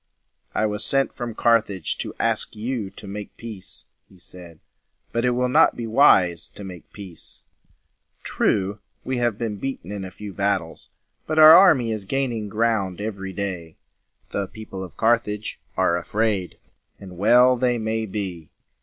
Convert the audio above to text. "I was sent from Carthage to ask you to make peace," he said. "But it will not be wise to make peace. True, we have been beaten in a few battles, but our army is gaining ground every day. The people of Carthage are afraid, and well they may be.